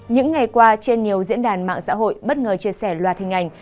những ngày qua trên nhiều diễn đàn mạng xã hội bất ngờ chia sẻ loạt hình ảnh